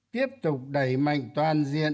tiếp tục đẩy mạnh toàn diện